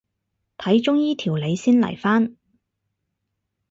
睇中醫調理先嚟返